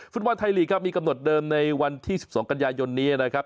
ฟุตบอลไทยลีกครับมีกำหนดเดิมในวันที่๑๒กันยายนนี้นะครับ